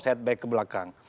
setback ke belakang